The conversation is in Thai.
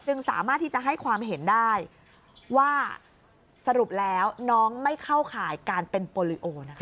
สามารถที่จะให้ความเห็นได้ว่าสรุปแล้วน้องไม่เข้าข่ายการเป็นโปรลิโอนะคะ